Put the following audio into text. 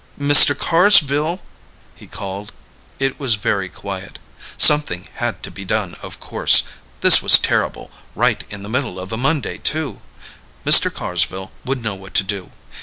"Mr. Carsville," he called. It was very quiet. Something had to be done, of course. This was terrible, right in the middle of a Monday, too. Mr. Carsville would know what to do.